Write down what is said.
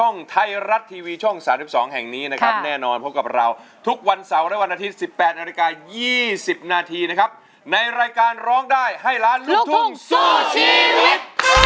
ในรายการร้องได้ให้ล้านลูกทุ่งสู้ชีวิต